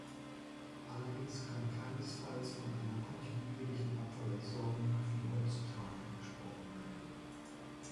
Allerdings kann keinesfalls von einer kontinuierlichen Abfallentsorgung wie heutzutage gesprochen werden.